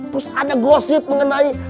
terus ada gosip mengenai